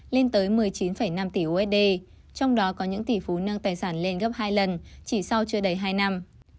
lên tới một mươi chín năm tỷ usd trong đó có những tỷ phú nâng tài sản lên gấp hai lần chỉ sau chưa đầy hai năm